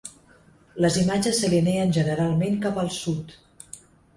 Les imatges s'alineen generalment cap al sud.